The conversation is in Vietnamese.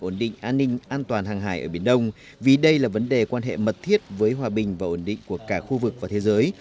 ổn định an ninh an toàn hàng hải ở biển đông vì đây là vấn đề quan hệ mật thiết với hòa bình và ổn định của cả khu vực và thế giới